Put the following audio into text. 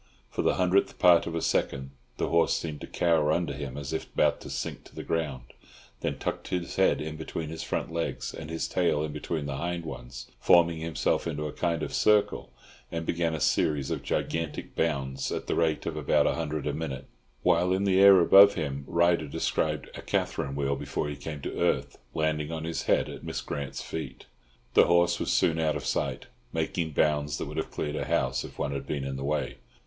For the hundredth part of a second the horse seemed to cower under him as if about to sink to the ground, then tucked his head in between his front legs, and his tail in between the hind ones, forming himself into a kind of circle, and began a series of gigantic bounds at the rate of about a hundred to the minute; while in the air above him his rider described a catherine wheel before he came to earth, landing on his head at Miss Grant's feet. The horse was soon out of sight, making bounds that would have cleared a house if one had been in the way.